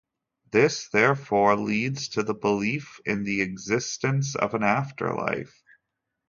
This therefore leads to the belief in the existence of an afterlife.